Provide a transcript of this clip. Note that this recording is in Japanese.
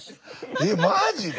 えっマジで？